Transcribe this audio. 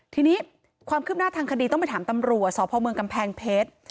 ทีนี้ความคืบหน้าทางคดีต้องไปถามตำรวจสพเมืองกำแพงเพชร